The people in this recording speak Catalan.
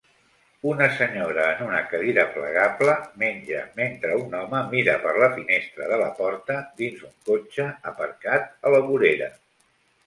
Una senyora en una cadira plegable menja mentre un home mira per la finestra de la porta dins un cotxe aparcat a la vorera